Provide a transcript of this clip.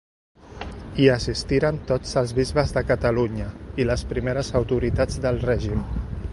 Hi assistiren tots els bisbes de Catalunya i les primeres autoritats del règim.